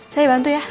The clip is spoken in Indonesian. saya bantu ya